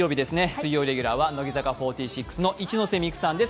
水曜レギュラーは乃木坂４６の一ノ瀬美空さんです。